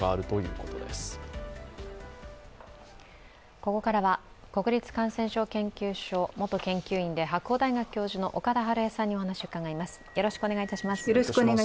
ここからは国立感染症研究所元研究員で白鴎大学教授の岡田晴恵さんに話を伺います。